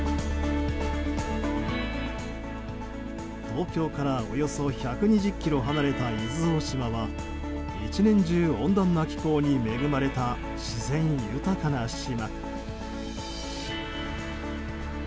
東京からおよそ１２０ｋｍ離れた伊豆大島は１年中、温暖な気候に恵まれた自然豊かな島。